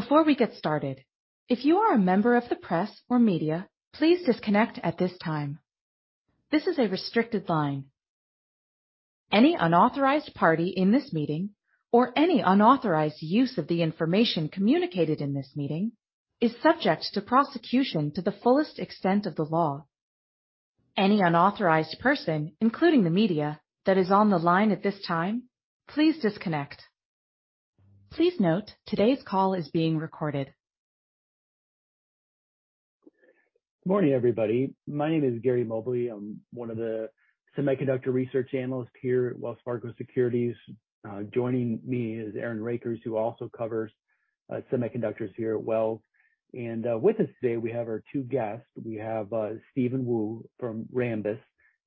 Before we get started, if you are a member of the press or media, please disconnect at this time. This is a restricted line. Any unauthorized party in this meeting or any unauthorized use of the information communicated in this meeting is subject to prosecution to the fullest extent of the law. Any unauthorized person, including the media, that is on the line at this time, please disconnect. Please note, today's call is being recorded. Morning, everybody. My name is Gary Mobley. I'm one of the semiconductor research analysts here at Wells Fargo Securities. Joining me is Aaron Rakers, who also covers semiconductors here at Wells. With us today we have our two guests. We have Steven Woo from Rambus,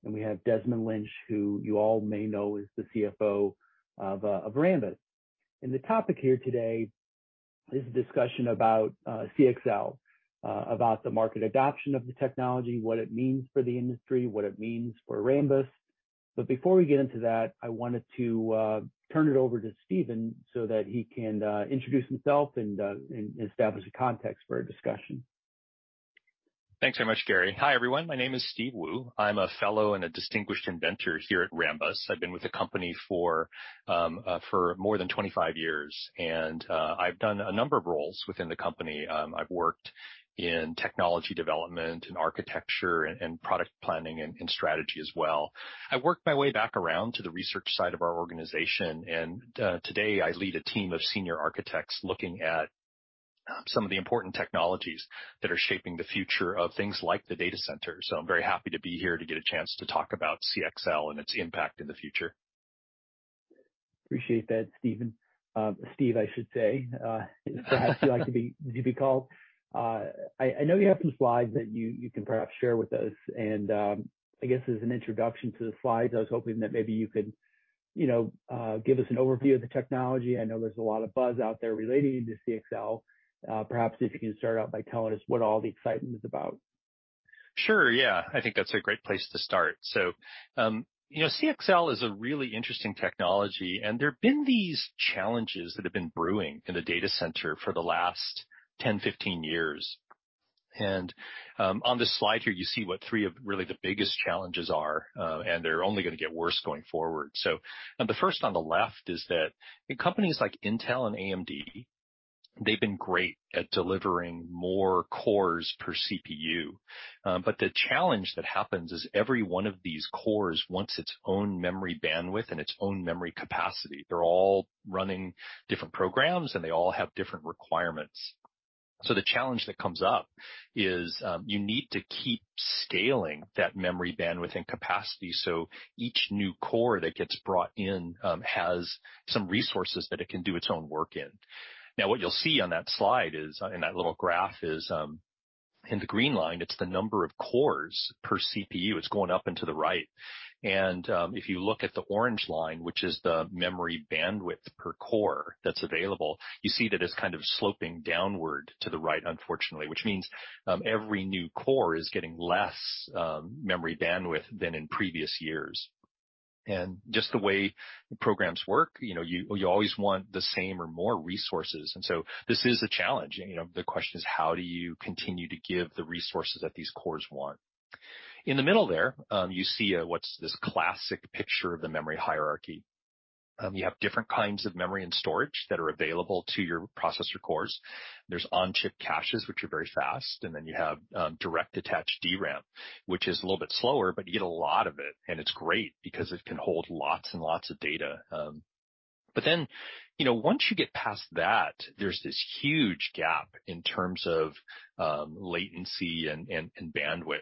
and we have Desmond Lynch, who you all may know is the CFO of Rambus. The topic here today is a discussion about CXL, about the market adoption of the technology, what it means for the industry, what it means for Rambus. Before we get into that, I wanted to turn it over to Steven so that he can introduce himself and establish a context for our discussion. Thanks very much, Gary. Hi, everyone. My name is Steven Woo. I'm a fellow and a distinguished inventor here at Rambus. I've been with the company for more than 25 years, and I've done a number of roles within the company. I've worked in technology development and architecture and product planning and strategy as well. I worked my way back around to the research side of our organization, and today I lead a team of senior architects looking at some of the important technologies that are shaping the future of things like the data center. I'm very happy to be here to get a chance to talk about CXL and its impact in the future. Appreciate that, Steven. Steve, I should say. Perhaps you like to be called. I know you have some slides that you can perhaps share with us and I guess as an introduction to the slides, I was hoping that maybe you could, you know, give us an overview of the technology. I know there's a lot of buzz out there relating to CXL. Perhaps if you can start out by telling us what all the excitement is about. Sure. Yeah. I think that's a great place to start. You know, CXL is a really interesting technology, and there have been these challenges that have been brewing in the data center for the last 10, 15 years. On this slide here, you see what three of the really biggest challenges are, and they're only gonna get worse going forward. The first on the left is that companies like Intel and AMD, they've been great at delivering more cores per CPU. The challenge that happens is every one of these cores wants its own memory bandwidth and its own memory capacity. They're all running different programs, and they all have different requirements. The challenge that comes up is you need to keep scaling that memory bandwidth and capacity so each new core that gets brought in has some resources that it can do its own work in. What you'll see on that slide is in that little graph in the green line it's the number of cores per CPU. It's going up and to the right. If you look at the orange line which is the memory bandwidth per core that's available you see that it's kind of sloping downward to the right unfortunately which means every new core is getting less memory bandwidth than in previous years. Just the way programs work you know you always want the same or more resources. This is a challenge. You know, the question is, how do you continue to give the resources that these cores want? In the middle there, you see, what's this classic picture of the memory hierarchy. You have different kinds of memory and storage that are available to your processor cores. There's on-chip caches, which are very fast, and then you have direct attached DRAM, which is a little bit slower, but you get a lot of it, and it's great because it can hold lots and lots of data. Then, you know, once you get past that, there's this huge gap in terms of latency and bandwidth.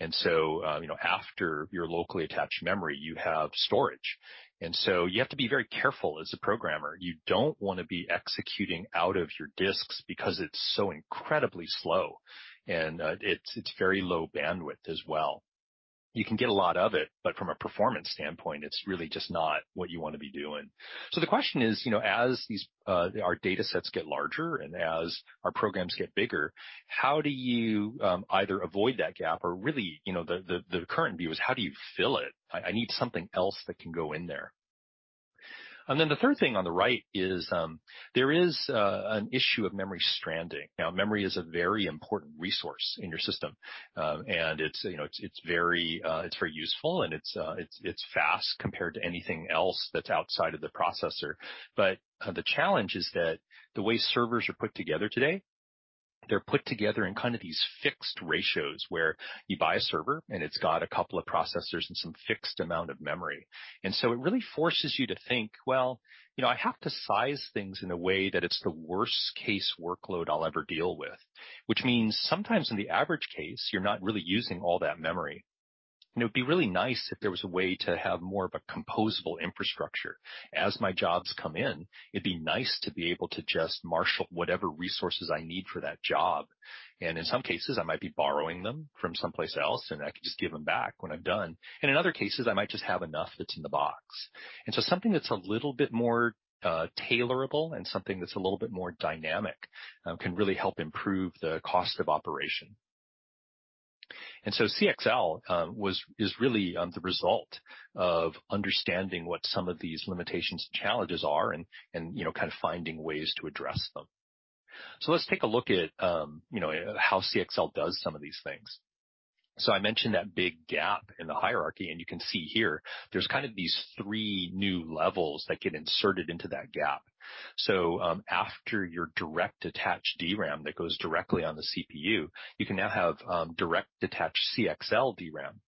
You know, after your locally attached memory, you have storage. You have to be very careful as a programmer. You don't wanna be executing out of your disks because it's so incredibly slow and it's very low bandwidth as well. You can get a lot of it, but from a performance standpoint, it's really just not what you wanna be doing. The question is, you know, as our datasets get larger and as our programs get bigger, how do you either avoid that gap or really, you know, the current view is how do you fill it? I need something else that can go in there. Then the third thing on the right is an issue of memory stranding. Now, memory is a very important resource in your system. It's, you know, it's very useful and it's fast compared to anything else that's outside of the processor. The challenge is that the way servers are put together today, they're put together in kind of these fixed ratios where you buy a server and it's got a couple of processors and some fixed amount of memory. It really forces you to think, "Well, you know, I have to size things in a way that it's the worst case workload I'll ever deal with." Which means sometimes in the average case, you're not really using all that memory. It would be really nice if there was a way to have more of a composable infrastructure. As my jobs come in, it'd be nice to be able to just marshal whatever resources I need for that job. In some cases, I might be borrowing them from someplace else, and I can just give them back when I'm done. In other cases, I might just have enough that's in the box. Something that's a little bit more tailorable and something that's a little bit more dynamic can really help improve the cost of operation. CXL is really the result of understanding what some of these limitations and challenges are and you know, kind of finding ways to address them. Let's take a look at you know, how CXL does some of these things. I mentioned that big gap in the hierarchy, and you can see here there's kind of these three new levels that get inserted into that gap. After your direct attached DRAM that goes directly on the CPU, you can now have direct attached CXL DRAM.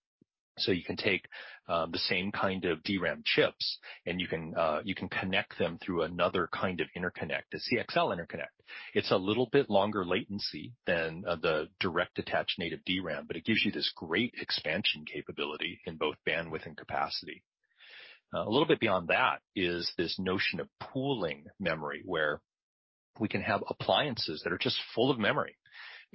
You can take the same kind of DRAM chips, and you can connect them through another kind of interconnect, the CXL interconnect. It's a little bit longer latency than the direct attached native DRAM, but it gives you this great expansion capability in both bandwidth and capacity. A little bit beyond that is this notion of pooling memory, where we can have appliances that are just full of memory,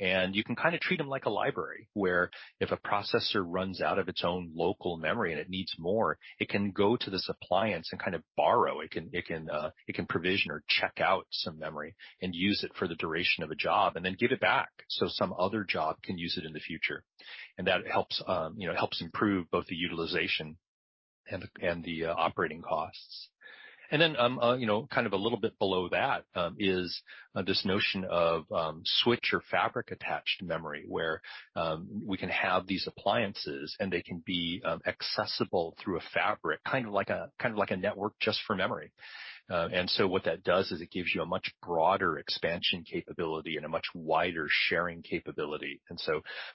and you can kind of treat them like a library, where if a processor runs out of its own local memory and it needs more, it can go to this appliance and kind of borrow. It can provision or check out some memory and use it for the duration of a job and then give it back so some other job can use it in the future. That helps you know improve both the utilization and the operating costs. You know kind of a little bit below that is this notion of switch or fabric-attached memory, where we can have these appliances and they can be accessible through a fabric, kind of like a network just for memory. What that does is it gives you a much broader expansion capability and a much wider sharing capability.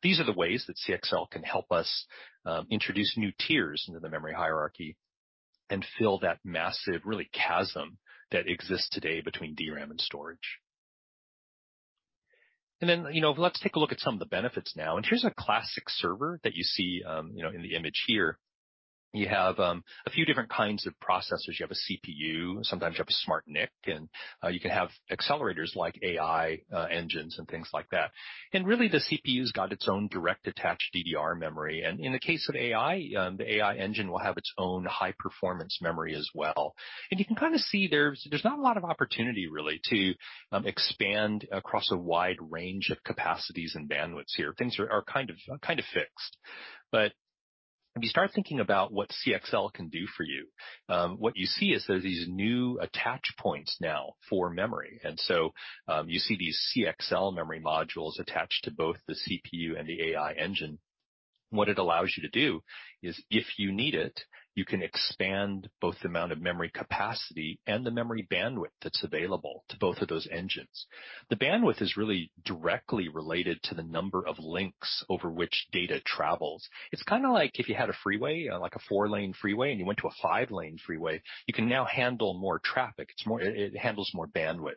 These are the ways that CXL can help us introduce new tiers into the memory hierarchy and fill that massive chasm that exists today between DRAM and storage. You know, let's take a look at some of the benefits now. Here's a classic server that you see, you know, in the image here. You have a few different kinds of processors. You have a CPU. Sometimes you have a Smart NIC, and you can have accelerators like AI engines and things like that. The CPU's got its own directly attached DDR memory. In the case of AI, the AI engine will have its own high-performance memory as well. You can kind of see there's not a lot of opportunity to expand across a wide range of capacities and bandwidths here. Things are kind of fixed. If you start thinking about what CXL can do for you, what you see is there are these new attach points now for memory. You see these CXL memory modules attached to both the CPU and the AI engine. What it allows you to do is, if you need it, you can expand both the amount of memory capacity and the memory bandwidth that's available to both of those engines. The bandwidth is really directly related to the number of links over which data travels. It's kind of like if you had a freeway, like a four-lane freeway, and you went to a five-lane freeway, you can now handle more traffic. It handles more bandwidth.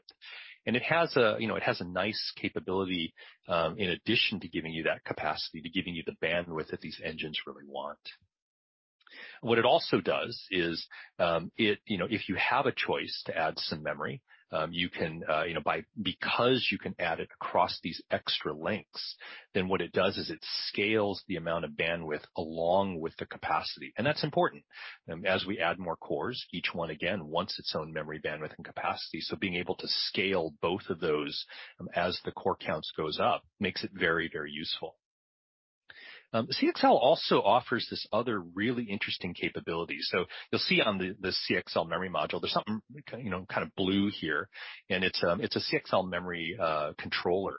It has a nice capability, you know, in addition to giving you that capacity, to giving you the bandwidth that these engines really want. What it also does is, it, you know, if you have a choice to add some memory, you can, you know, because you can add it across these extra links, then what it does is it scales the amount of bandwidth along with the capacity, and that's important. As we add more cores, each one again wants its own memory, bandwidth, and capacity. Being able to scale both of those as the core counts goes up makes it very, very useful. CXL also offers this other really interesting capability. You'll see on the CXL memory module, there's something, you know, kind of blue here, and it's a CXL memory controller.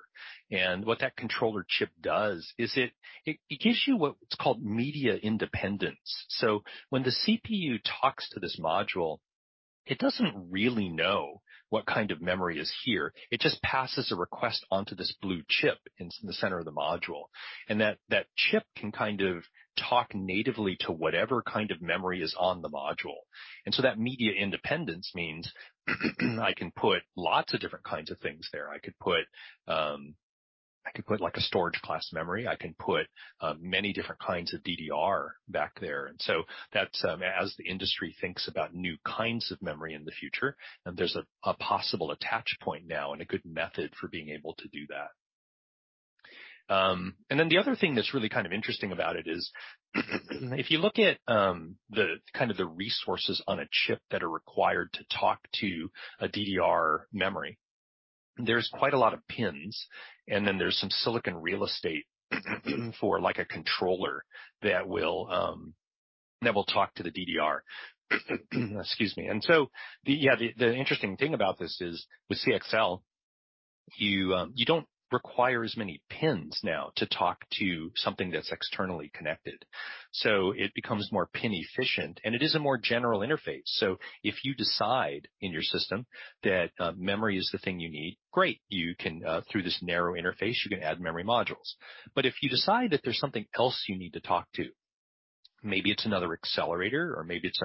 What that controller chip does is it gives you what's called media independence. When the CPU talks to this module, it doesn't really know what kind of memory is here. It just passes a request onto this blue chip in the center of the module. That chip can kind of talk natively to whatever kind of memory is on the module. That media independence means I can put lots of different kinds of things there. I could put like a storage-class memory. I can put many different kinds of DDR back there. That's as the industry thinks about new kinds of memory in the future, and there's a possible attach point now and a good method for being able to do that. The other thing that's really kind of interesting about it is if you look at the kind of resources on a chip that are required to talk to a DDR memory, there's quite a lot of pins, and then there's some silicon real estate for like a controller that will talk to the DDR. Excuse me. The interesting thing about this is with CXL, you don't require as many pins now to talk to something that's externally connected. It becomes more pin efficient, and it is a more general interface. If you decide in your system that memory is the thing you need, great. You can through this narrow interface add memory modules. If you decide that there's something else you need to talk to, maybe it's another accelerator or maybe it's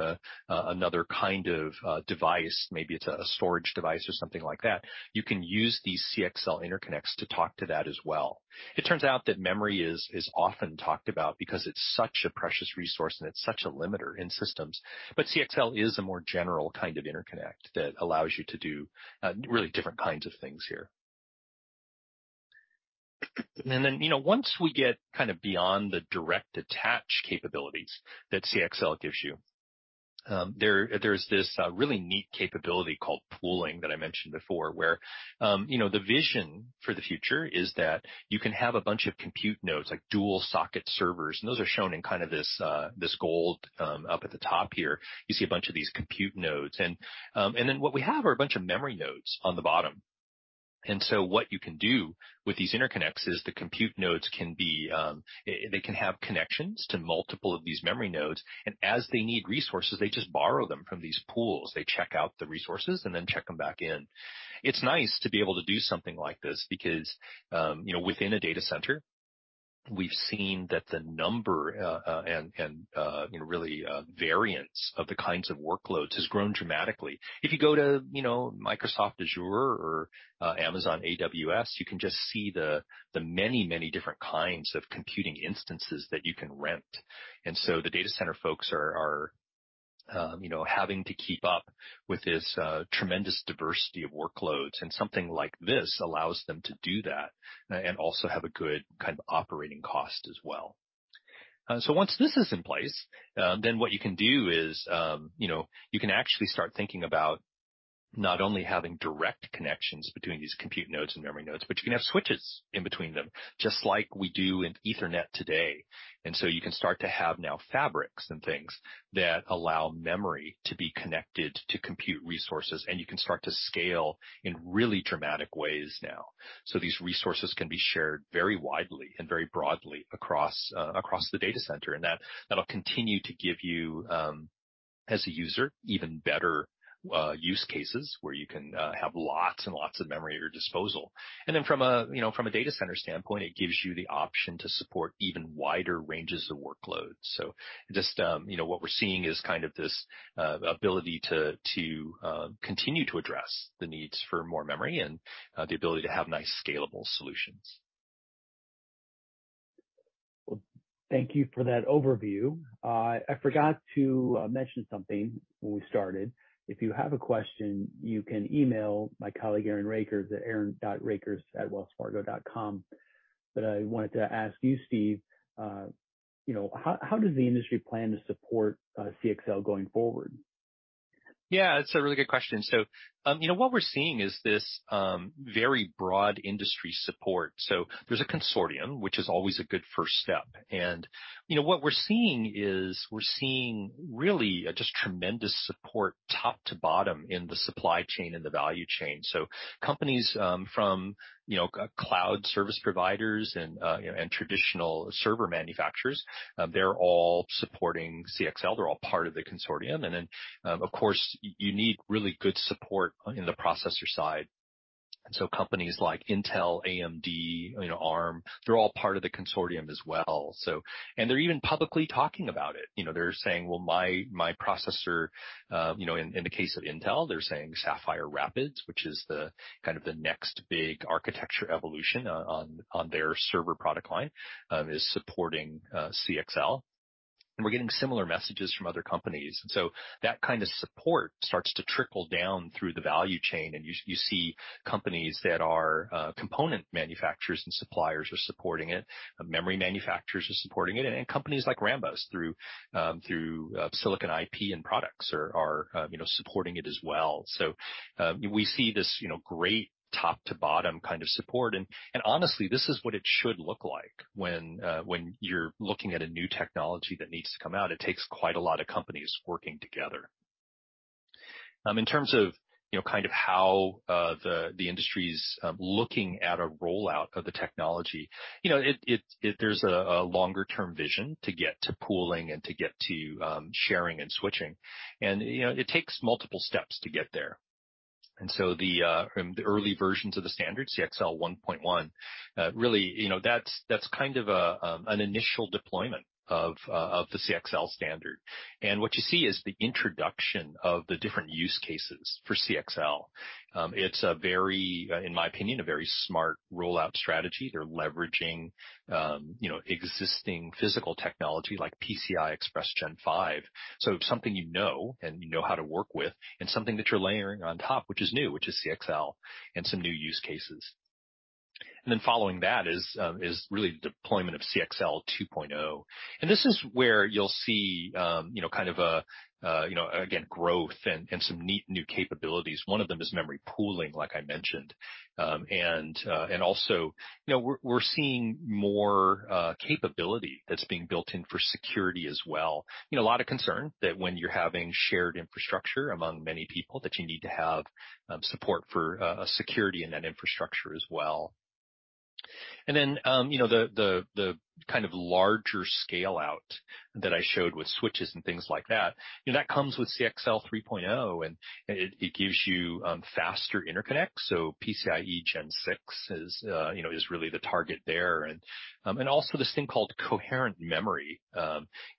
another kind of device, maybe it's a storage device or something like that, you can use these CXL interconnects to talk to that as well. It turns out that memory is often talked about because it's such a precious resource and it's such a limiter in systems. CXL is a more general kind of interconnect that allows you to do really different kinds of things here. You know, once we get kind of beyond the direct attach capabilities that CXL gives you. There, there's this really neat capability called pooling that I mentioned before, where you know, the vision for the future is that you can have a bunch of compute nodes like dual socket servers, and those are shown in kind of this gold up at the top here. You see a bunch of these compute nodes. What we have are a bunch of memory nodes on the bottom. What you can do with these interconnects is the compute nodes can be, they can have connections to multiple of these memory nodes, and as they need resources, they just borrow them from these pools. They check out the resources and then check them back in. It's nice to be able to do something like this because, you know, within a data center, we've seen that the number and low variance of the kinds of workloads has grown dramatically. If you go to, you know, Microsoft Azure or Amazon AWS, you can just see the many, many different kinds of computing instances that you can rent. The data center folks are having to keep up with this tremendous diversity of workloads. Something like this allows them to do that and also have a good kind of operating cost as well. Once this is in place, then what you can do is, you know, you can actually start thinking about not only having direct connections between these compute nodes and memory nodes, but you can have switches in between them, just like we do in Ethernet today. You can start to have now fabrics and things that allow memory to be connected to compute resources, and you can start to scale in really dramatic ways now. These resources can be shared very widely and very broadly across the data center, and that'll continue to give you, as a user, even better use cases where you can have lots and lots of memory at your disposal. From a, you know, from a data center standpoint, it gives you the option to support even wider ranges of workloads. Just, you know, what we're seeing is kind of this ability to continue to address the needs for more memory and the ability to have nice scalable solutions. Well, thank you for that overview. I forgot to mention something when we started. If you have a question, you can email my colleague, Aaron Rakers at aaron.rakers@wellsfargo.com. I wanted to ask you, Steve, you know, how does the industry plan to support CXL going forward? Yeah, it's a really good question. You know, what we're seeing is this very broad industry support. There's a consortium which is always a good first step. You know, what we're seeing is really just tremendous support top to bottom in the supply chain and the value chain. Companies from you know, cloud service providers and you know, and traditional server manufacturers, they're all supporting CXL, they're all part of the consortium. Of course, you need really good support in the processor side. Companies like Intel, AMD, you know, Arm, they're all part of the consortium as well, so. They're even publicly talking about it. You know, they're saying, "Well, my processor," you know, in the case of Intel, they're saying Sapphire Rapids, which is the kind of the next big architecture evolution on their server product line, is supporting CXL. We're getting similar messages from other companies. That kind of support starts to trickle down through the value chain. You see companies that are component manufacturers and suppliers are supporting it. Memory manufacturers are supporting it. Companies like Rambus through Silicon IP and products are supporting it as well. You know, we see this great top to bottom kind of support. Honestly, this is what it should look like when you're looking at a new technology that needs to come out. It takes quite a lot of companies working together. In terms of, you know, kind of how the industry's looking at a rollout of the technology. You know, there's a longer-term vision to get to pooling and to get to sharing and switching. You know, it takes multiple steps to get there. The early versions of the standard CXL 1.1 really, you know, that's kind of an initial deployment of the CXL standard. What you see is the introduction of the different use cases for CXL. It's a very, in my opinion, a very smart rollout strategy. They're leveraging, you know, existing physical technology like PCI Express Gen 5. Something you know, and you know how to work with and something that you're layering on top, which is new, which is CXL and some new use cases. Following that is really the deployment of CXL 2.0. This is where you'll see, you know, kind of a you know, again, growth and some neat new capabilities. One of them is memory pooling, like I mentioned. And also, you know, we're seeing more capability that's being built in for security as well. You know, a lot of concern that when you're having shared infrastructure among many people, that you need to have support for security in that infrastructure as well. Then, you know, the kind of larger scale-out that I showed with switches and things like that, you know, that comes with CXL 3.0, and it gives you faster interconnect. PCIe Gen 6 is, you know, really the target there. And also this thing called coherent memory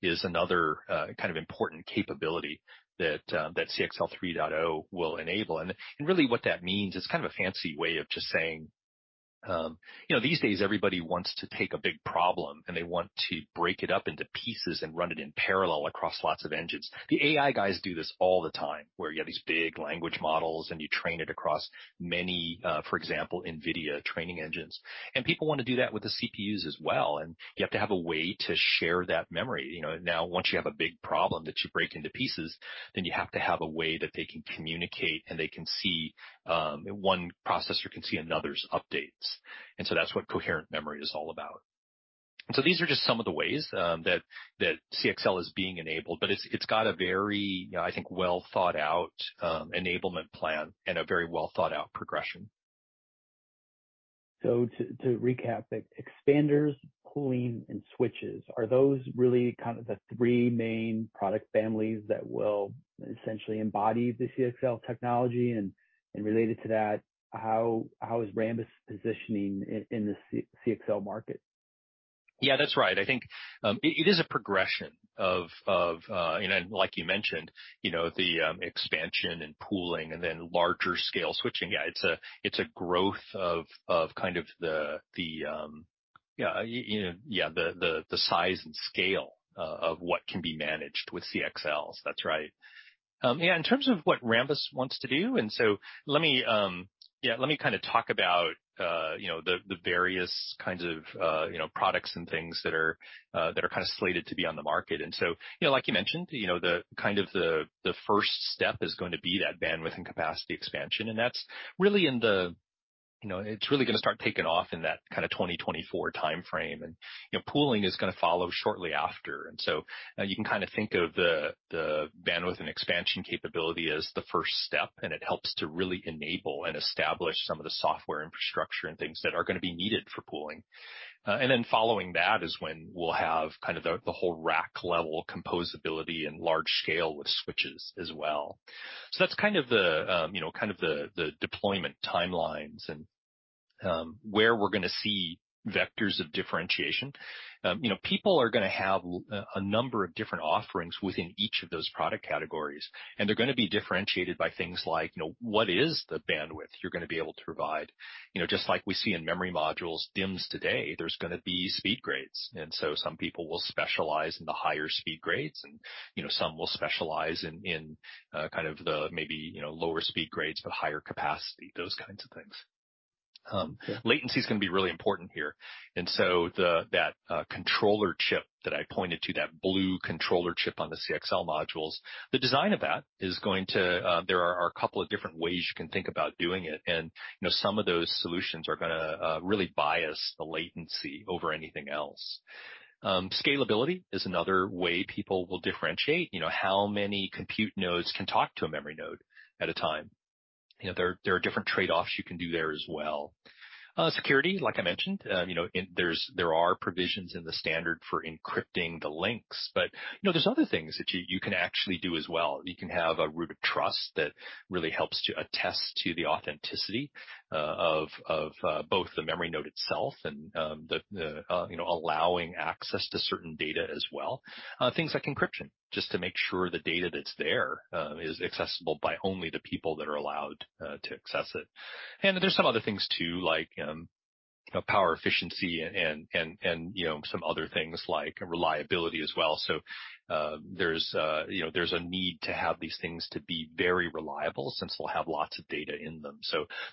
is another kind of important capability that that CXL 3.0 will enable. Really what that means, it's kind of a fancy way of just saying. You know, these days everybody wants to take a big problem, and they want to break it up into pieces and run it in parallel across lots of engines. The AI guys do this all the time, where you have these big language models, and you train it across many, for example, NVIDIA training engines. People wanna do that with the CPUs as well, and you have to have a way to share that memory. You know, now once you have a big problem that you break into pieces, then you have to have a way that they can communicate, and they can see, one processor can see another's updates. That's what coherent memory is all about. These are just some of the ways that CXL is being enabled, but it's got a very, you know, I think well thought out enablement plan and a very well thought out progression. To recap, the expanders, pooling, and switches, are those really kind of the three main product families that will essentially embody the CXL technology? Related to that, how is Rambus positioning in the CXL market? Yeah, that's right. I think it is a progression and then like you mentioned, you know, the expansion and pooling and then larger scale switching. Yeah, it's a growth of kind of the size and scale of what can be managed with CXLs. That's right. In terms of what Rambus wants to do, and so let me kinda talk about you know the various kinds of you know products and things that are kinda slated to be on the market. You know, like you mentioned, you know, the first step is going to be that bandwidth and capacity expansion, and that's really, you know, gonna start taking off in that kinda 2024 timeframe. You know, pooling is gonna follow shortly after. You can kinda think of the bandwidth and expansion capability as the first step, and it helps to really enable and establish some of the software infrastructure and things that are gonna be needed for pooling. Then following that is when we'll have kind of the whole rack-level composability and large scale with switches as well. That's kind of the deployment timelines and where we're gonna see vectors of differentiation. You know, people are gonna have a number of different offerings within each of those product categories, and they're gonna be differentiated by things like, you know, what is the bandwidth you're gonna be able to provide? You know, just like we see in memory modules, DIMMs today, there's gonna be speed grades. Some people will specialize in the higher speed grades and, you know, some will specialize in kind of the maybe, you know, lower speed grades but higher capacity, those kinds of things. Latency is gonna be really important here. That controller chip that I pointed to, that blue controller chip on the CXL modules, the design of that is going to, there are a couple of different ways you can think about doing it. You know, some of those solutions are gonna really bias the latency over anything else. Scalability is another way people will differentiate, you know, how many compute nodes can talk to a memory node at a time. There are different trade-offs you can do there as well. Security, like I mentioned, you know, there are provisions in the standard for encrypting the links. You know, there's other things that you can actually do as well. You can have a Root of Trust that really helps to attest to the authenticity of both the memory node itself and you know allowing access to certain data as well. Things like encryption, just to make sure the data that's there is accessible by only the people that are allowed to access it. There's some other things too, like you know power efficiency and you know some other things like reliability as well. There's you know a need to have these things to be very reliable since they'll have lots of data in them.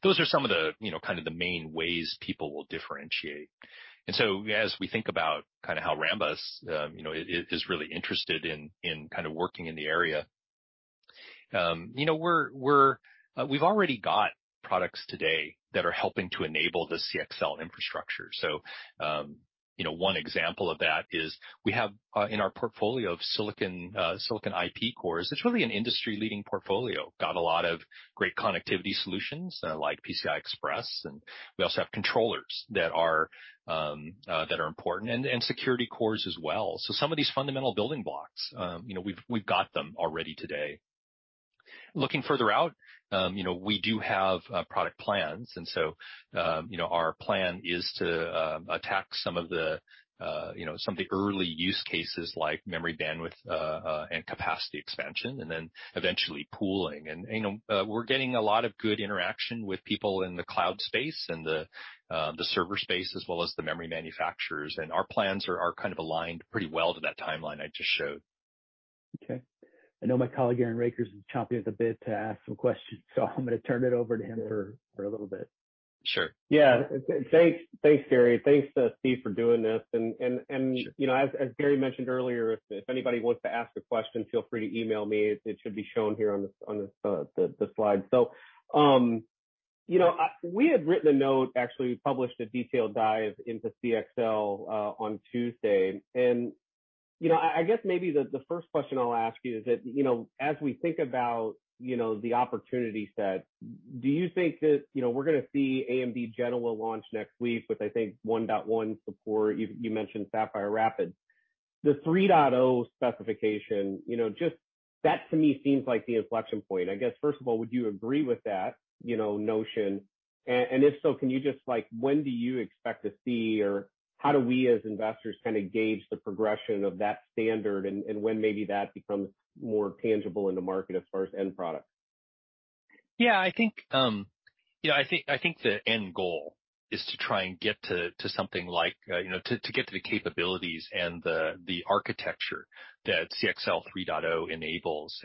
Those are some of the you know kind of the main ways people will differentiate. As we think about kinda how Rambus is really interested in kind of working in the area, you know, we've already got products today that are helping to enable the CXL infrastructure. You know, one example of that is we have in our portfolio of Silicon IP cores, it's really an industry-leading portfolio. Got a lot of great connectivity solutions, like PCI Express, and we also have controllers that are important, and security cores as well. Some of these fundamental building blocks, you know, we've got them already today. Looking further out, you know, we do have product plans, and so, you know, our plan is to attack some of the, you know, some of the early use cases like memory bandwidth, and capacity expansion, and then eventually pooling. You know, we're getting a lot of good interaction with people in the cloud space and the server space as well as the memory manufacturers. Our plans are kind of aligned pretty well to that timeline I just showed. Okay. I know my colleague, Aaron Rakers, is chomping at the bit to ask some questions, so I'm gonna turn it over to him for a little bit. Sure. Yeah. Thanks, Gary. Thanks to Steve for doing this. You know, as Gary mentioned earlier, if anybody wants to ask a question, feel free to email me. It should be shown here on this slide. You know, we had written a note, actually, we published a detailed dive into CXL on Tuesday. You know, I guess maybe the first question I'll ask you is that, you know, as we think about, you know, the opportunity set, do you think that, you know, we're gonna see AMD Genoa launch next week with, I think, 1.1 support. You mentioned Sapphire Rapids. The 3.0 specification, you know, just that to me seems like the inflection point. I guess, first of all, would you agree with that, you know, notion? If so, can you just like when do you expect to see or how do we as investors kinda gauge the progression of that standard and when maybe that becomes more tangible in the market as far as end product? Yeah, I think, you know, the end goal is to try and get to something like, you know, to get to the capabilities and the architecture that CXL 3.0 enables.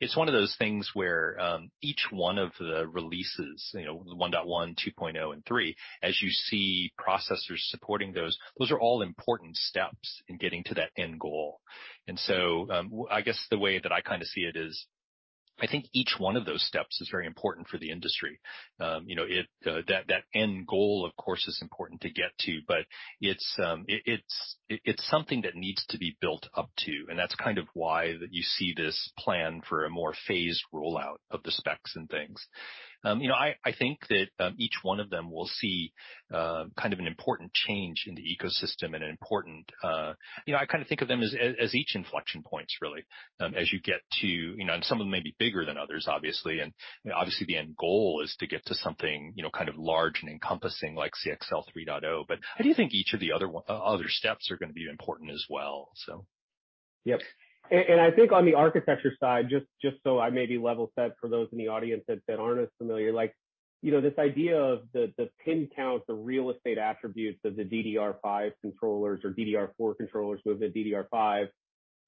It's one of those things where each one of the releases, you know, CXL 1.1, CXL 2.0, and CXL 3.0, as you see processors supporting those, are all important steps in getting to that end goal. I guess the way that I kind of see it is I think each one of those steps is very important for the industry. You know, that end goal, of course, is important to get to, but it's something that needs to be built up to, and that's kind of why you see this plan for a more phased rollout of the specs and things. You know, I think that each one of them will see kind of an important change in the ecosystem and an important, you know, I kind of think of them as each inflection points really, as you get to, you know, and some of them may be bigger than others, obviously. Obviously, the end goal is to get to something, you know, kind of large and encompassing like CXL 3.0. I do think each of the other steps are gonna be important as well. Yep. I think on the architecture side, just so I may be level set for those in the audience that aren't as familiar, like, you know, this idea of the pin count, the real estate attributes of the DDR5 controllers or DDR4 controllers with the DDR5,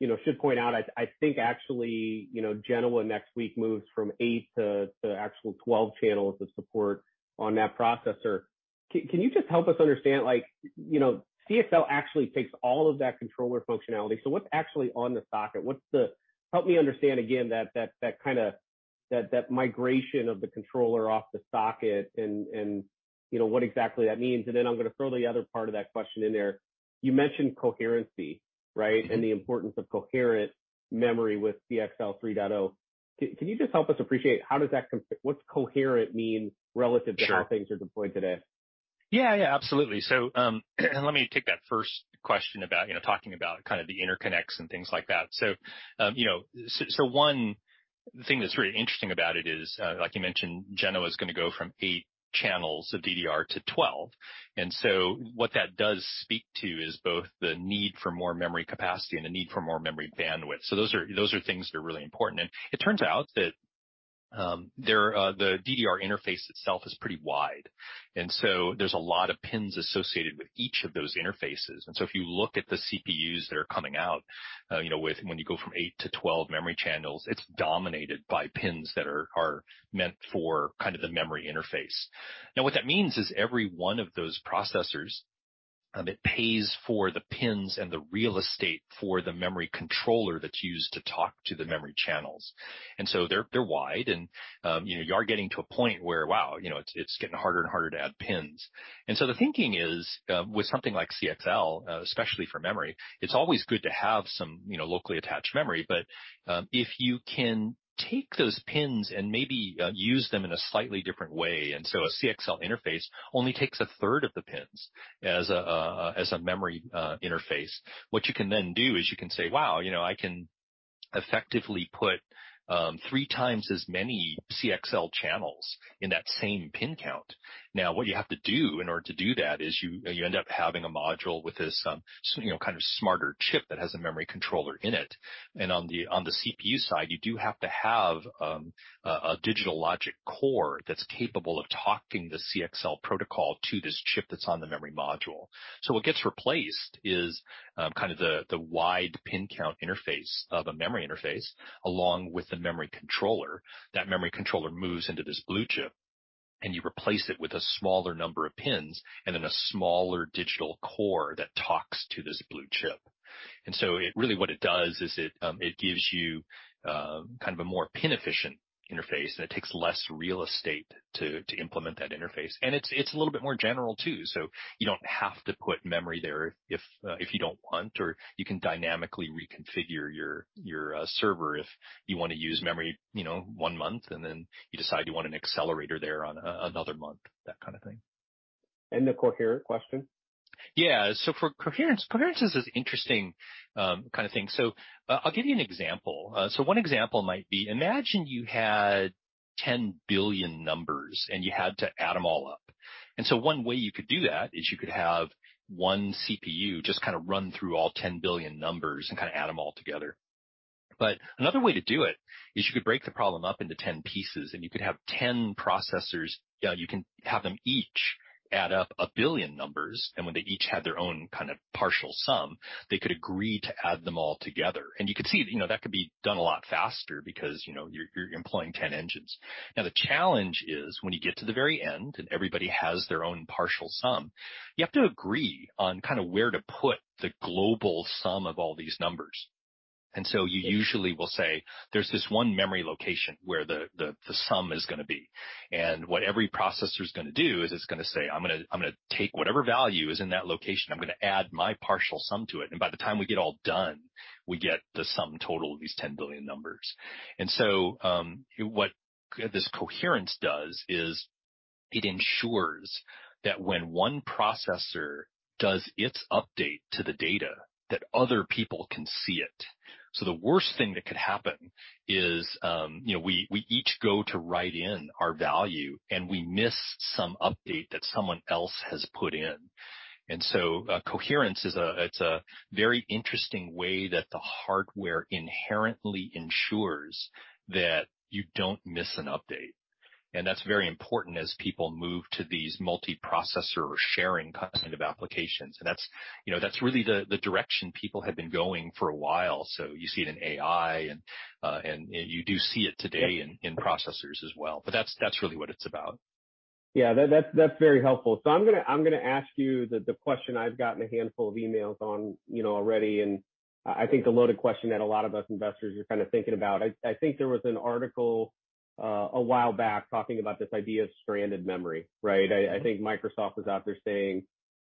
you know, should point out, I think actually, you know, Genoa next week moves from 8 to actual 12 channels of support on that processor. Can you just help us understand, like, you know, CXL actually takes all of that controller functionality. So what's actually on the socket? Help me understand again that kind of migration of the controller off the socket and, you know, what exactly that means. I'm gonna throw the other part of that question in there. You mentioned coherency, right? The importance of coherent memory with CXL 3.0. Can you just help us appreciate what's coherent mean relative. Sure. To how things are deployed today? Yeah, yeah, absolutely. Let me take that first question about, you know, talking about kind of the interconnects and things like that. One thing that's really interesting about it is, like you mentioned, Genoa is gonna go from eight channels of DDR to 12. What that does speak to is both the need for more memory capacity and the need for more memory bandwidth. Those are things that are really important. It turns out that the DDR interface itself is pretty wide, and so there's a lot of pins associated with each of those interfaces. If you look at the CPUs that are coming out, you know, when you go from eight to 12 memory channels, it's dominated by pins that are meant for kind of the memory interface. Now, what that means is every one of those processors, it pays for the pins and the real estate for the memory controller that's used to talk to the memory channels. They're wide and, you know, you are getting to a point where, wow, you know, it's getting harder and harder to add pins. The thinking is, with something like CXL, especially for memory, it's always good to have some, you know, locally attached memory. If you can take those pins and maybe use them in a slightly different way, a CXL interface only takes a third of the pins as a memory interface. What you can then do is you can say, "Wow, you know, I can effectively put three times as many CXL channels in that same pin count." Now, what you have to do in order to do that is you end up having a module with this, you know, kind of smarter chip that has a memory controller in it. On the CPU side, you do have to have a digital logic core that's capable of talking the CXL protocol to this chip that's on the memory module. What gets replaced is kind of the wide pin count interface of a memory interface, along with the memory controller. That memory controller moves into this blue chip, and you replace it with a smaller number of pins and then a smaller digital core that talks to this blue chip. Really what it does is it gives you kind of a more pin efficient interface, and it takes less real estate to implement that interface. It's a little bit more general too, so you don't have to put memory there if you don't want or you can dynamically reconfigure your server if you wanna use memory, you know, one month and then you decide you want an accelerator there on another month, that kind of thing. The coherent question. Yeah. For coherence is this interesting kind of thing. I'll give you an example. One example might be, imagine you had 10 billion numbers, and you had to add them all up. One way you could do that is you could have one CPU just kind of run through all 10 billion numbers and kind of add them all together. Another way to do it is you could break the problem up into 10 pieces, and you could have 10 processors, you can have them each add up a billion numbers, and when they each had their own kind of partial sum, they could agree to add them all together. You could see, you know, that could be done a lot faster because, you know, you're employing 10 engines. Now, the challenge is when you get to the very end and everybody has their own partial sum, you have to agree on kind of where to put the global sum of all these numbers. You usually will say, there's this one memory location where the sum is gonna be, and what every processor is gonna do is it's gonna say, "I'm gonna take whatever value is in that location. I'm gonna add my partial sum to it." By the time we get all done, we get the sum total of these 10 billion numbers. What this coherence does is it ensures that when one processor does its update to the data, that other people can see it. The worst thing that could happen is, you know, we each go to write in our value, and we missed some update that someone else has put in. Coherence is a very interesting way that the hardware inherently ensures that you don't miss an update. That's very important as people move to these multiprocessor sharing kind of applications. That's, you know, really the direction people have been going for a while. You see it in AI and you do see it today in processors as well. That's really what it's about. Yeah, that's very helpful. I'm gonna ask you the question I've gotten a handful of emails on, you know, already, and I think a loaded question that a lot of us investors are kinda thinking about. I think there was an article a while back talking about this idea of stranded memory, right? I think Microsoft was out there saying,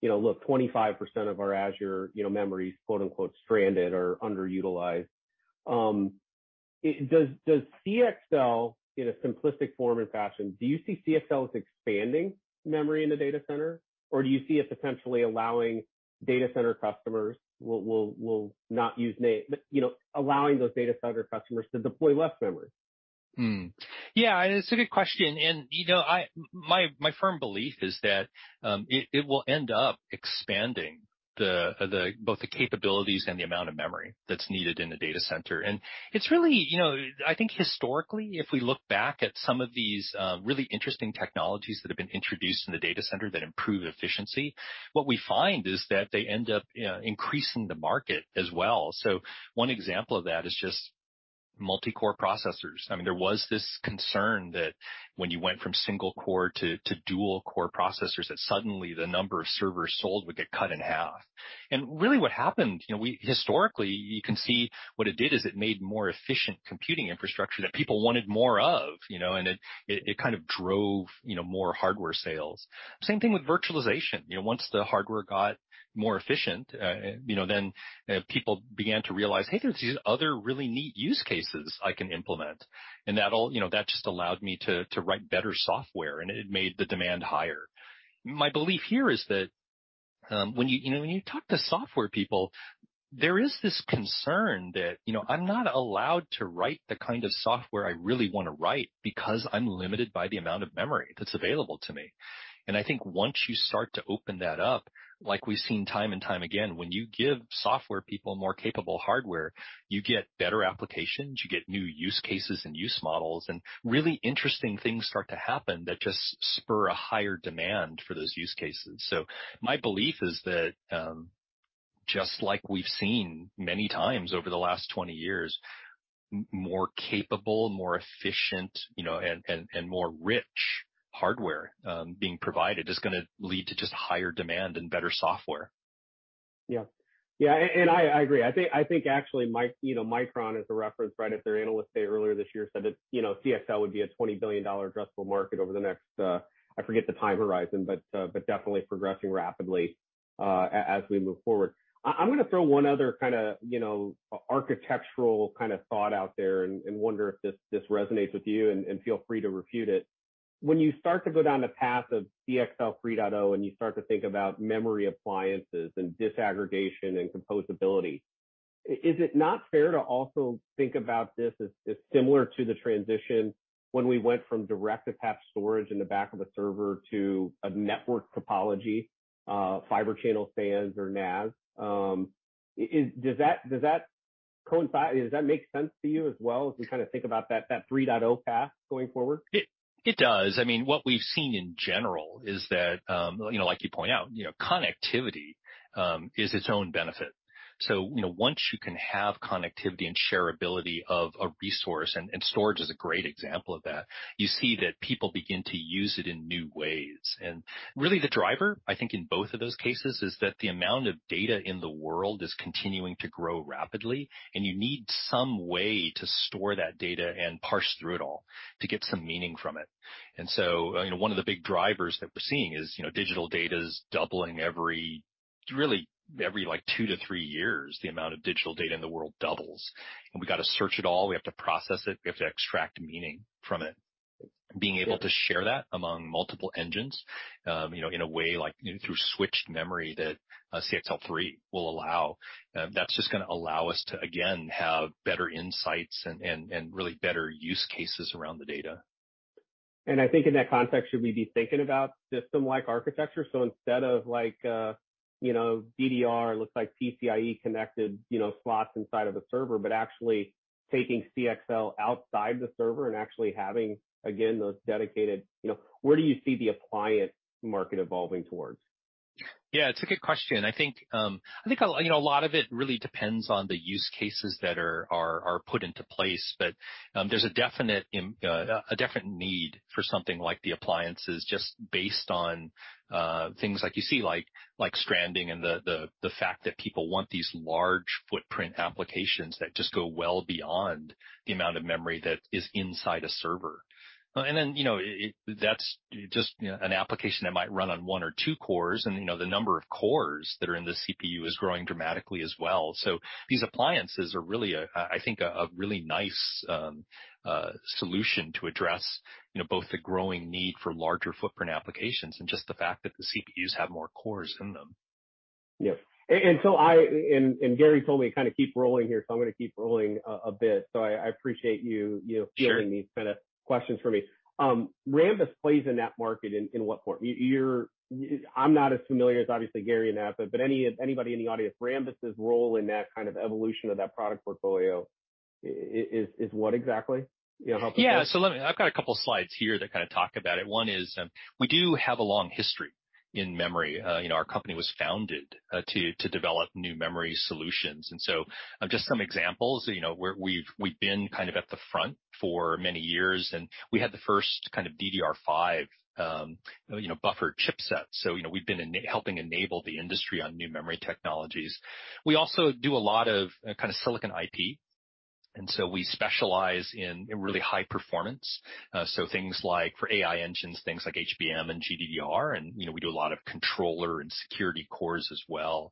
you know, "Look, 25% of our Azure, you know, memory is quote-unquote stranded or underutilized." Does CXL, in a simplistic form and fashion, do you see CXL as expanding memory in the data center? Or do you see it potentially allowing data center customers to deploy less memory? It's a good question. You know, my firm belief is that it will end up expanding both the capabilities and the amount of memory that's needed in the data center. It's really, you know, I think historically, if we look back at some of these really interesting technologies that have been introduced in the data center that improve efficiency, what we find is that they end up increasing the market as well. One example of that is just multi-core processors. I mean, there was this concern that when you went from single core to dual core processors, that suddenly the number of servers sold would get cut in half. Really what happened, you know, we historically, you can see what it did is it made more efficient computing infrastructure that people wanted more of, you know, and it kind of drove, you know, more hardware sales. Same thing with virtualization. You know, once the hardware got more efficient, you know, then people began to realize, "Hey, there's these other really neat use cases I can implement." That all, you know, that just allowed me to write better software, and it made the demand higher. My belief here is that, when you know, when you talk to software people, there is this concern that, you know, I'm not allowed to write the kind of software I really wanna write because I'm limited by the amount of memory that's available to me. I think once you start to open that up, like we've seen time and time again, when you give software people more capable hardware, you get better applications, you get new use cases and use models, and really interesting things start to happen that just spur a higher demand for those use cases. My belief is that, just like we've seen many times over the last 20 years, more capable, more efficient, you know, and more rich hardware being provided is gonna lead to just higher demand and better software. Yeah. Yeah, and I agree. I think actually Micron, you know, as a reference, right, at their analyst day earlier this year said that, you know, CXL would be a $20 billion addressable market over the next, I forget the time horizon, but definitely progressing rapidly, as we move forward. I'm gonna throw one other kinda architectural kinda thought out there and wonder if this resonates with you, and feel free to refute it. When you start to go down the path of CXL 3.0, and you start to think about memory appliances and disaggregation and composability, is it not fair to also think about this as similar to the transition when we went from direct attached storage in the back of a server to a network topology, Fibre Channel SANs or NAS? Does that coincide? Does that make sense to you as well, as we kinda think about that 3.0 path going forward? It does. I mean, what we've seen in general is that, you know, like you point out, you know, connectivity is its own benefit. You know, once you can have connectivity and shareability of a resource, and storage is a great example of that, you see that people begin to use it in new ways. Really the driver, I think, in both of those cases is that the amount of data in the world is continuing to grow rapidly, and you need some way to store that data and parse through it all to get some meaning from it. You know, one of the big drivers that we're seeing is, you know, digital data is doubling really every like 2-3 years, the amount of digital data in the world doubles. We gotta search it all, we have to process it, we have to extract meaning from it. Being able to share that among multiple engines, you know, in a way like through switched memory that CXL 3.0 will allow, that's just gonna allow us to again have better insights and really better use cases around the data. I think in that context, should we be thinking about system-like architecture? Instead of like, DDR, looks like PCIe connected slots inside of a server, but actually taking CXL outside the server and actually having, again, those dedicated. Where do you see the appliance market evolving towards? Yeah, it's a good question. I think, you know, a lot of it really depends on the use cases that are put into place. There's a definite need for something like the appliances just based on things like you see, like stranding and the fact that people want these large footprint applications that just go well beyond the amount of memory that is inside a server. You know, that's just, you know, an application that might run on one or two cores, and, you know, the number of cores that are in the CPU is growing dramatically as well. These appliances are really, I think, a really nice solution to address, you know, both the growing need for larger footprint applications and just the fact that the CPUs have more cores in them. Yeah. Gary told me to kinda keep rolling here, so I'm gonna keep rolling a bit. I appreciate you. Sure. Fielding these kinda questions for me. Rambus plays in that market in what form? I'm not as familiar as obviously Gary and Des, but anybody in the audience, Rambus' role in that kind of evolution of that product portfolio is what exactly? You know, how Yeah. Let me. I've got a couple slides here that kind of talk about it. One is, we do have a long history in memory. You know, our company was founded to develop new memory solutions. Just some examples, you know, where we've been kind of at the front for many years, and we had the first kind of DDR5 buffer chipset. You know, we've been helping enable the industry on new memory technologies. We also do a lot of kind of Silicon IP, and so we specialize in really high performance. Things like for AI engines, things like HBM and GDDR, and, you know, we do a lot of controller and security cores as well.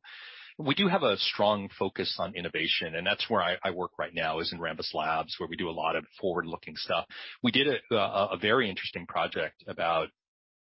We do have a strong focus on innovation, and that's where I work right now, is in Rambus Labs, where we do a lot of forward-looking stuff. We did a very interesting project about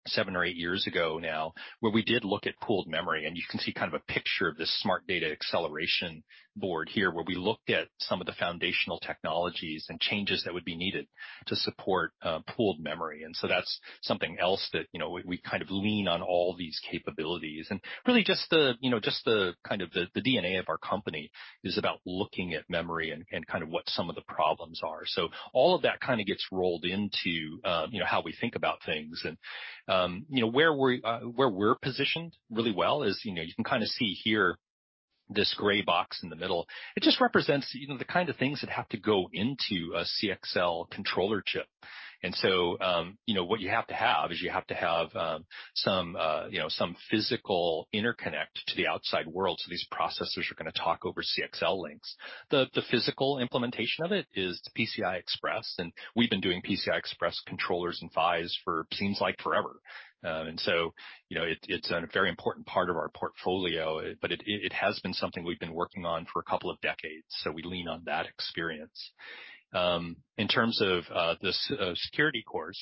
seven or eight years ago now, where we did look at pooled memory, and you can see kind of a picture of this Smart Data Acceleration board here, where we looked at some of the foundational technologies and changes that would be needed to support pooled memory. That's something else that, you know, we kind of lean on all these capabilities. Really just the, you know, just the kind of the DNA of our company is about looking at memory and kind of what some of the problems are. All of that kind of gets rolled into, you know, how we think about things. You know, where we're positioned really well is, you know, you can kind of see here this gray box in the middle. It just represents, you know, the kind of things that have to go into a CXL controller chip. You know, what you have to have is some physical interconnect to the outside world, so these processors are gonna talk over CXL links. The physical implementation of it is PCI Express, and we've been doing PCI Express controllers and PHYs for what seems like forever. You know, it's a very important part of our portfolio, but it has been something we've been working on for a couple of decades, so we lean on that experience. In terms of the security cores,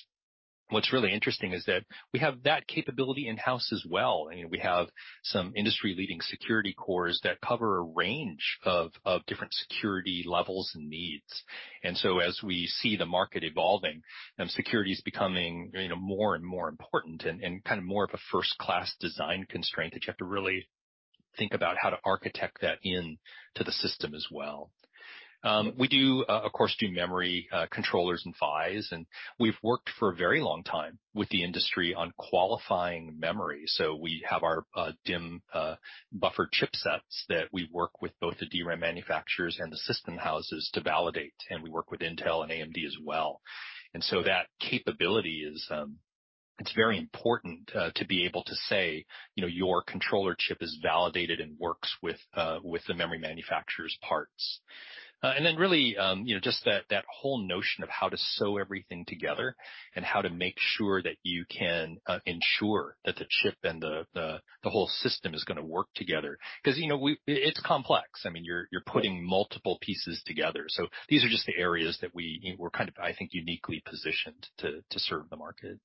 what's really interesting is that we have that capability in-house as well, and we have some industry-leading security cores that cover a range of different security levels and needs. As we see the market evolving, security is becoming, you know, more and more important and kind of more of a first-class design constraint that you have to really think about how to architect that into the system as well. We do, of course, do memory controllers and PHYs, and we've worked for a very long time with the industry on qualifying memory. We have our DIMM buffer chipsets that we work with both the DRAM manufacturers and the system houses to validate, and we work with Intel and AMD as well. That capability is, it's very important to be able to say, you know, your controller chip is validated and works with the memory manufacturer's parts. Really, you know, just that whole notion of how to sew everything together and how to make sure that you can ensure that the chip and the whole system is gonna work together. 'Cause, you know, it's complex. I mean, you're putting multiple pieces together. These are just the areas that we're kind of, I think, uniquely positioned to serve the market.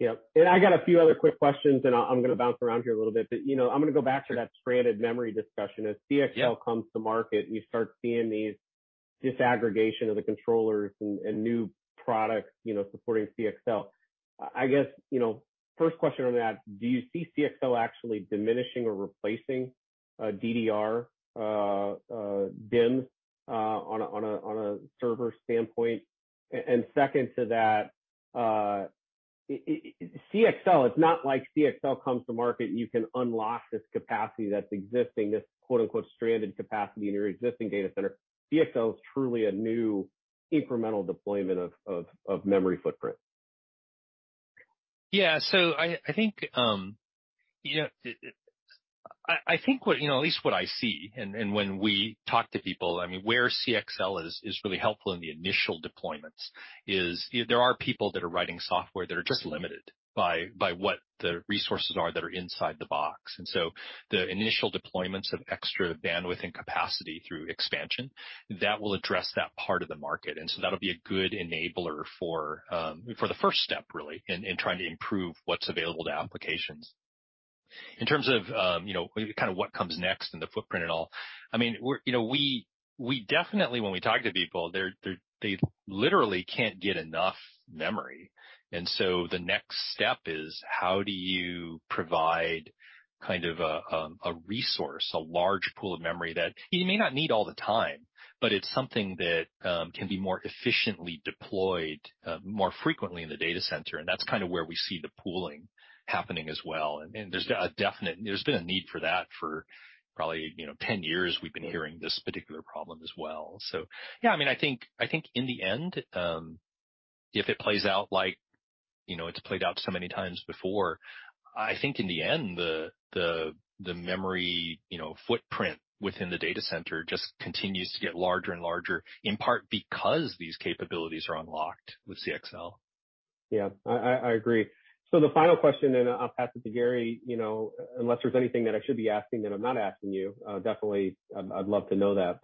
Yeah. I got a few other quick questions, and I'm gonna bounce around here a little bit. You know, I'm gonna go back to that stranded memory discussion. Yeah. As CXL comes to market and you start seeing these disaggregation of the controllers and new products, you know, supporting CXL, I guess, you know, first question on that, do you see CXL actually diminishing or replacing DDR, DIMMs on a server standpoint? And second to that, CXL, it's not like CXL comes to market, and you can unlock this capacity that's existing, this quote-unquote stranded capacity in your existing data center. CXL is truly a new incremental deployment of memory footprint. I think what, at least what I see and when we talk to people, I mean, where CXL is really helpful in the initial deployments is there are people that are writing software that are just limited by what the resources are that are inside the box. The initial deployments of extra bandwidth and capacity through expansion, that will address that part of the market. That'll be a good enabler for the first step, really, in trying to improve what's available to applications. In terms of, kind of what comes next and the footprint and all, I mean, we definitely when we talk to people, they're they literally can't get enough memory. The next step is how do you provide kind of a resource, a large pool of memory that you may not need all the time, but it's something that can be more efficiently deployed more frequently in the data center, and that's kind of where we see the pooling happening as well. There's been a need for that for probably, you know, 10 years we've been hearing this particular problem as well. Yeah, I mean, I think in the end, if it plays out like, you know, it's played out so many times before, I think in the end, the memory, you know, footprint within the data center just continues to get larger and larger, in part because these capabilities are unlocked with CXL. Yeah. I agree. The final question, then I'll pass it to Gary, you know, unless there's anything that I should be asking that I'm not asking you, definitely I'd love to know that.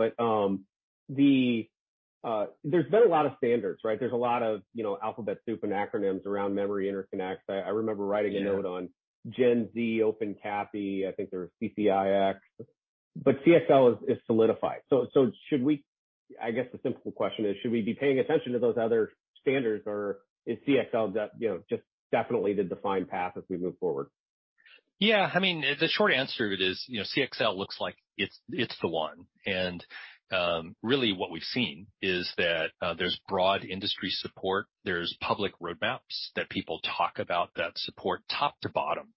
There's been a lot of standards, right? There's a lot of, you know, alphabet soup and acronyms around memory interconnects. I remember writing a note on Gen-Z, OpenCAPI, I think there was CCIX. CXL is solidified. Should we, I guess the simple question is, should we be paying attention to those other standards, or is CXL the, you know, just definitely the defined path as we move forward? Yeah, I mean, the short answer is, you know, CXL looks like it's the one. Really what we've seen is that, there's broad industry support, there's public roadmaps that people talk about that support top to bottom.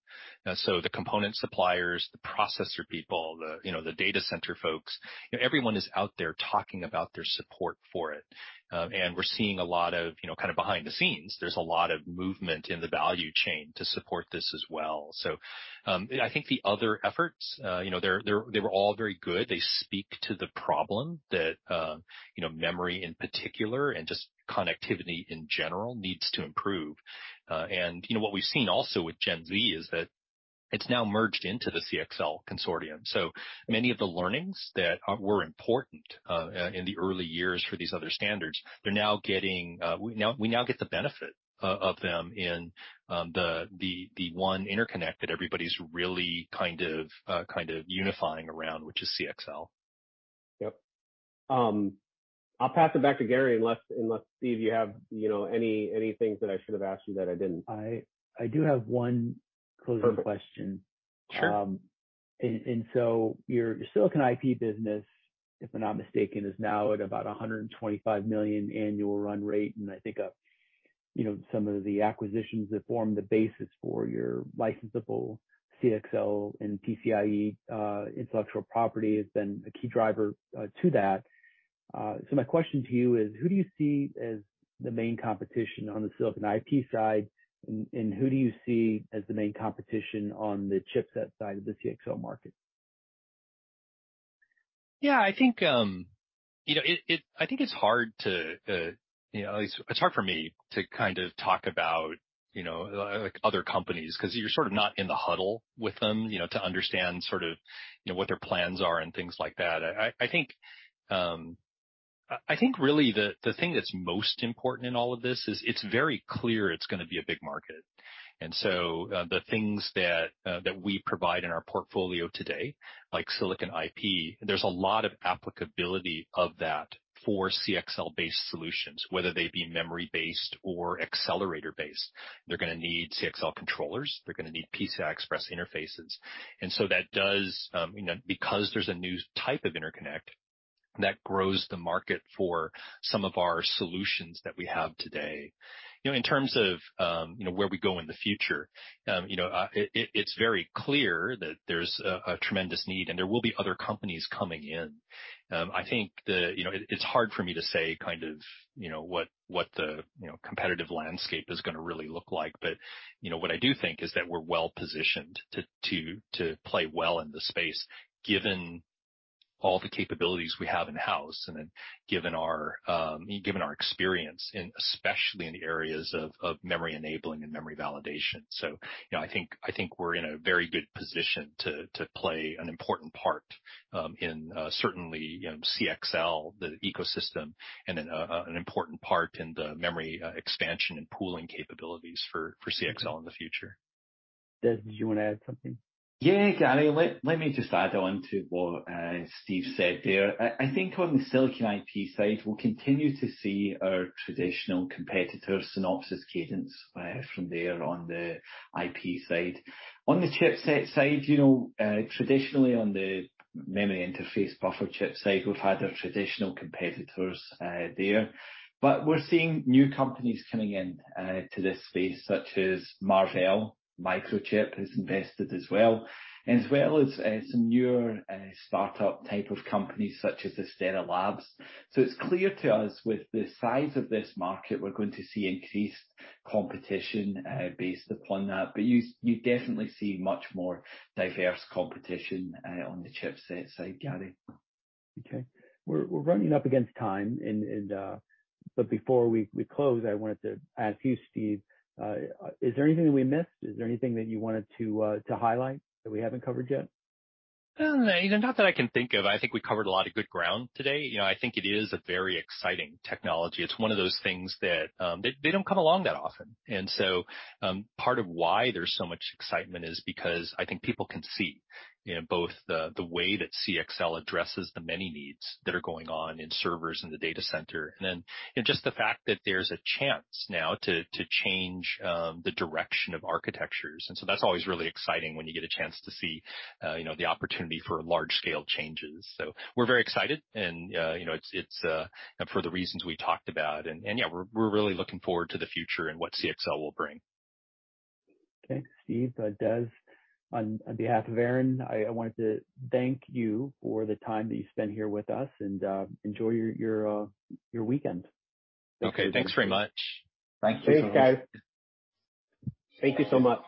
The component suppliers, the processor people, the, you know, the data center folks, everyone is out there talking about their support for it. We're seeing a lot of, you know, kind of behind the scenes, there's a lot of movement in the value chain to support this as well. I think the other efforts, you know, they were all very good. They speak to the problem that, you know, memory in particular and just connectivity in general needs to improve. You know, what we've seen also with Gen-Z is that it's now merged into the CXL Consortium. Many of the learnings that were important in the early years for these other standards, we now get the benefit of them in the one interconnect that everybody's really kind of unifying around, which is CXL. Yep. I'll pass it back to Gary Mobley unless Steven Woo, you have, you know, any things that I should have asked you that I didn't. I do have one closing question. Sure. Your silicon IP business, if I'm not mistaken, is now at about $125 million annual run rate. I think of, you know, some of the acquisitions that form the basis for your licensable CXL and PCIe intellectual property has been a key driver to that. My question to you is who do you see as the main competition on the silicon IP side, and who do you see as the main competition on the chipset side of the CXL market? Yeah. I think it's hard to you know. At least it's hard for me to kind of talk about, you know, like, other companies, 'cause you're sort of not in the huddle with them, you know, to understand sort of, you know, what their plans are and things like that. I think really the thing that's most important in all of this is it's very clear it's gonna be a big market. The things that we provide in our portfolio today, like Silicon IP, there's a lot of applicability of that for CXL-based solutions, whether they be memory-based or accelerator-based. They're gonna need CXL controllers, they're gonna need PCI Express interfaces. That does, you know, because there's a new type of interconnect that grows the market for some of our solutions that we have today. You know, in terms of, you know, where we go in the future, you know, it's very clear that there's a tremendous need, and there will be other companies coming in. I think it's hard for me to say what the competitive landscape is gonna really look like. You know, what I do think is that we're well-positioned to play well in this space, given all the capabilities we have in-house and then given our experience in, especially in the areas of memory enabling and memory validation. you know, I think we're in a very good position to play an important part in certainly you know CXL the ecosystem and then an important part in the memory expansion and pooling capabilities for CXL in the future. Des, did you wanna add something? Yeah, Gary, let me just add on to what Steve said there. I think on the silicon IP side, we'll continue to see our traditional competitors, Synopsys, Cadence, from there on the IP side. On the chipset side, you know, traditionally on the memory interface buffer chip side, we've had our traditional competitors there. We're seeing new companies coming in to this space, such as Marvell. Microchip has invested as well, as well as newer start-up type of companies such as Astera Labs. It's clear to us with the size of this market, we're going to see increased competition based upon that. You definitely see much more diverse competition on the chipset side, Gary. Okay. We're running up against time, but before we close, I wanted to ask you, Steve, is there anything that we missed? Is there anything that you wanted to highlight that we haven't covered yet? You know, not that I can think of. I think we covered a lot of good ground today. You know, I think it is a very exciting technology. It's one of those things that, they don't come along that often. Part of why there's so much excitement is because I think people can see, you know, both the way that CXL addresses the many needs that are going on in servers in the data center, and then, you know, just the fact that there's a chance now to change the direction of architectures. That's always really exciting when you get a chance to see, you know, the opportunity for large scale changes. We're very excited and, you know, it's for the reasons we talked about. Yeah, we're really looking forward to the future and what CXL will bring. Okay. Steve, Des, on behalf of Aaron, I wanted to thank you for the time that you spent here with us and enjoy your weekend. Okay. Thanks very much. Thank you. Thanks, guys. Thank you so much.